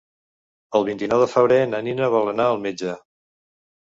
El vint-i-nou de febrer na Nina vol anar al metge.